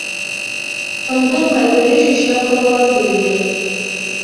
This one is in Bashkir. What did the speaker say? Һауҙың ҡәҙере шишмә ҡороғас беленер.